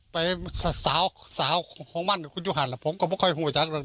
ไปสาวของมันโค้งยุหาลผมก็ไม่ค่อยหัวจากลง